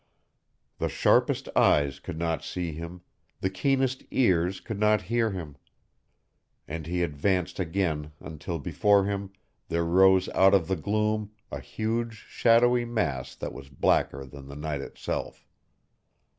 The sharpest eyes could not see him, the keenest ears could not hear him and he advanced again until before him there rose out of the gloom a huge shadowy mass that was blacker than the night itself.